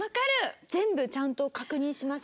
全部ちゃんと確認します。